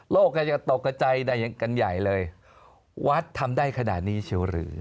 ก็จะตกกระใจกันใหญ่เลยวัดทำได้ขนาดนี้เชียวหรือ